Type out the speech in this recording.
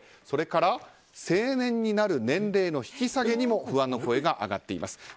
それから成人になる年齢の引き下げにも不安の声が上がっています。